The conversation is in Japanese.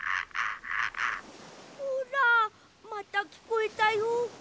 ほらまたきこえたよ。